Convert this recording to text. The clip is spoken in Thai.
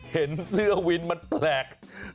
เห็นเสื้อวินมันแปลก